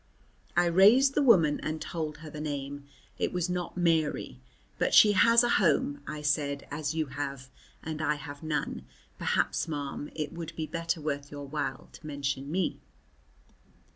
I raised the woman and told her the name. It was not Mary. "But she has a home," I said, "as you have, and I have none. Perhaps, ma'am, it would be better worth your while to mention me."